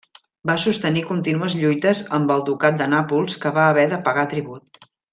Va sostenir contínues lluites amb el ducat de Nàpols que va haver de pagar tribut.